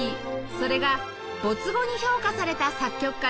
それが「没後に評価された作曲家」です